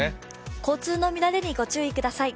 交通の乱れにご注意ください。